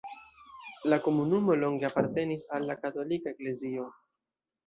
La komunumo longe apartenis al la katolika eklezio.